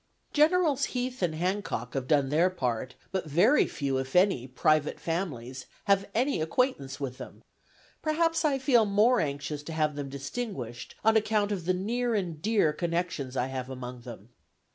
"Generals Heath and Hancock have done their part, but very few, if any, private families have any acquaintance with them. Perhaps I feel more anxious to have them distinguished, on account of the near and dear connections I have among them.